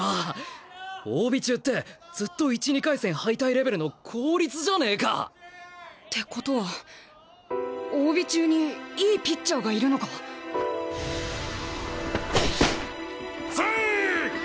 ⁉大尾中ってずっと１２回戦敗退レベルの公立じゃねえか！ってことは大尾中にいいピッチャーがいるのか⁉ストライーッ！